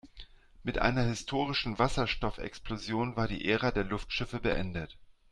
Mit einer historischen Wasserstoffexplosion war die Ära der Luftschiffe beendet.